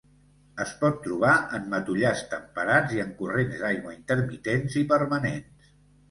Es pot trobar en matollars temperats i en corrents d'aigua intermitents i permanents.